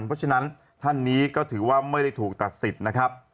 เพราะฉะนั้นท่านนี้ก็ถือว่าไม่ได้ถูกตัดสิทธิ์นะครับ